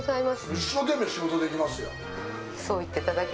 一生懸命仕事できますよ。